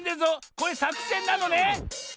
これさくせんなのね？